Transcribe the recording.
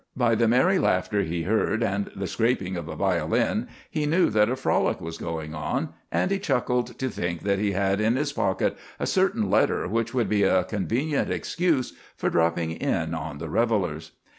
By the merry laughter he heard and the scraping of a violin he knew that a frolic was going on, and he chuckled to think that he had in his pocket a certain letter which would be a convenient excuse for dropping in on the revelers.